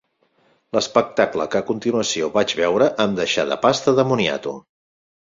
L’espectacle que a continuació vaig veure em deixà de pasta de moniato.